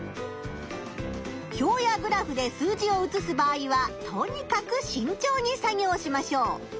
表やグラフで数字を写す場合はとにかくしんちょうに作業しましょう。